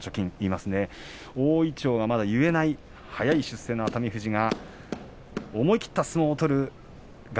まだ大いちょうを結えない早い出世の熱海富士が思い切った相撲を取るか